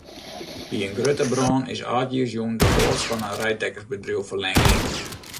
By in grutte brân is âldjiersjûn de loads fan in reidtekkersbedriuw ferlern gien.